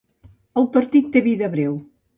El partit té vida breu.